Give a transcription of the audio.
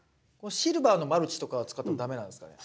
シルバーのマルチとかは使っても駄目なんですかね？